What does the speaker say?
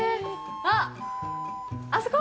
あっ、あそこ？